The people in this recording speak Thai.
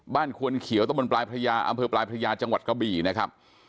ควนเขียวตะบนปลายพระยาอำเภอปลายพระยาจังหวัดกระบี่นะครับ